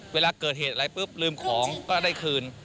เวลาเกิดเหตุอะไรปุ๊บลืมของก็ได้คืน